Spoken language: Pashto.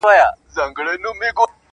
چي په ښکار به د مرغانو وو وتلی -